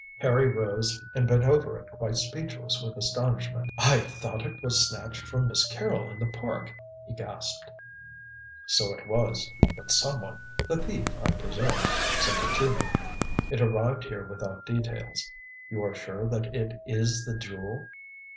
Harry rose and bent over it quite speechless with astonishment. "I thought it was snatched from Miss Carrol in the Park," he gasped. "So it was. But someone the thief, I presume sent it to me. It arrived here without details. You are sure that it is the Jewel?"